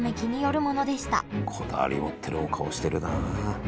こだわり持ってるお顔してるなあ。